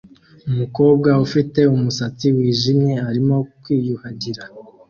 Umukobwa ufite umusatsi wijimye arimo kwiyuhagira